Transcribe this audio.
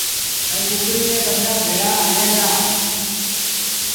ائيٚݩ ڪڪڙي ري ٻچآݩ ڀيڙآ هليݩ دآ۔